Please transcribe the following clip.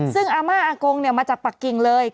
ซึ่งอาม่าอากงมาจากปากกิ่งเลย